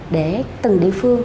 để từng địa phương